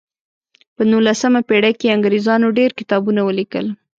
په نولسمه پیړۍ کې انګریزانو ډیر کتابونه ولیکل.